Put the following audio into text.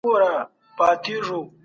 که موږ لټي ونه کړو نو بریالي کېږو.